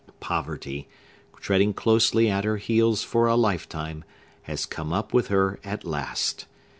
Poverty, treading closely at her heels for a lifetime, has come up with her at last.